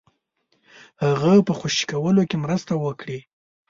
هغه په خوشي کولو کې مرسته وکړي.